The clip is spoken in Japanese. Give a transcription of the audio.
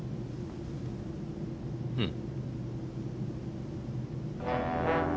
うん。